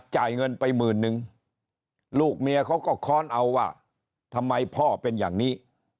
จ่ายเงินไปหมื่นนึงลูกเมียเขาก็ค้อนเอาว่าทำไมพ่อเป็นอย่างนี้